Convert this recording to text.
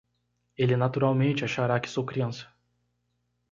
Ele naturalmente achará que sou criança.